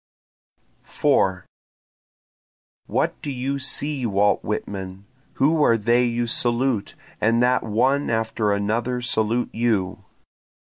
4 What do you see Walt Whitman? Who are they you salute, and that one after another salute you?